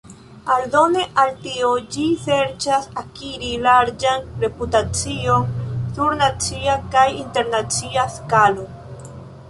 Aldone al tio, ĝi serĉas akiri larĝan reputacion sur nacia kaj internacia skalo.